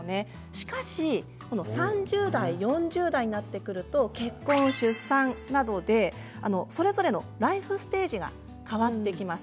しかし、３０代、４０代になってくると結婚、出産などでそれぞれのライフステージが変わってきます。